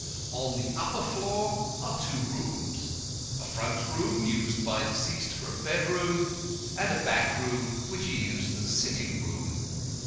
On the upper floor are two rooms a front room used by deceased for a bedroom, and a back room which he used as a sitting room.